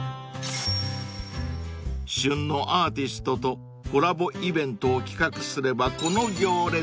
［旬のアーティストとコラボイベントを企画すればこの行列］